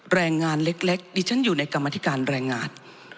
แรงงานเล็กดิฉันอยู่ในกรรมธิการแรงงาน